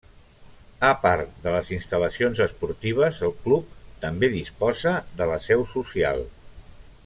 A part de les instal·lacions esportives el club també disposa de la seu social.